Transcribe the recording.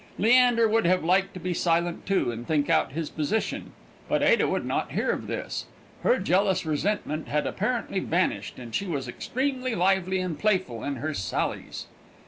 Leander would have liked to be silent too, and think out his position; but Ada would not hear of this. Her jealous resentment had apparently vanished, and she was extremely lively and playful in her sallies.